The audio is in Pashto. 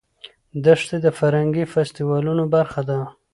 دښتې د فرهنګي فستیوالونو برخه ده.